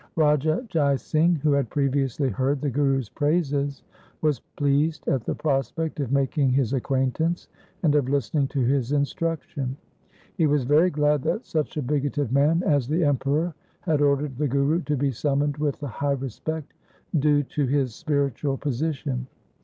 Raja Jai Singh who had previously heard the Guru's praises was pleased at the prospect of making his acquaintance, and of listening to his instruction. He was very glad that such a bigoted man as the Emperor had ordered the Guru to be summoned with the high respect due to his spiritual position.